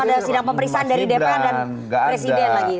ada sidang pemeriksaan dari dpr dan presiden lagi